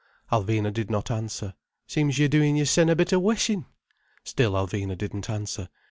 Alvina did not answer. "Seems yer doin' yersen a bit o' weshin'." Still Alvina didn't answer.